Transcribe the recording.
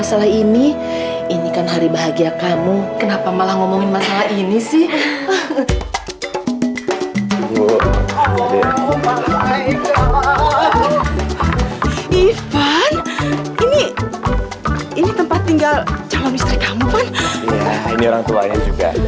si ivan kok belum dateng juga ya